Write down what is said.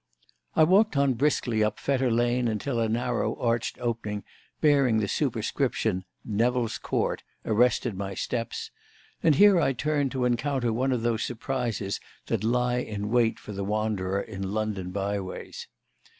I walked on briskly up Fetter Lane until a narrow, arched opening, bearing the superscription "Nevill's Court," arrested my steps, and here I turned to encounter one of those surprises that lie in wait for the wanderer in London byways.